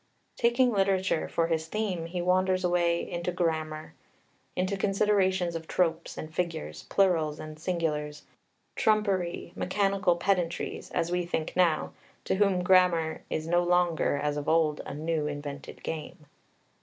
Taking literature for his theme, he wanders away into grammar, into considerations of tropes and figures, plurals and singulars, trumpery mechanical pedantries, as we think now, to whom grammar is no longer, as of old, "a new invented game."